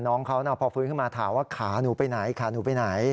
น้องเขาพอฟื้นขึ้นมาถามว่าขาหนูไปไหนขาหนูไปไหน